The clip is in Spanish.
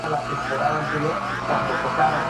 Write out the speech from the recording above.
Corre en su capital, Chester, la única ciudad a su lado.